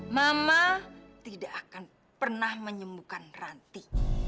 mama tidak akan pernah menyembuhkan ranti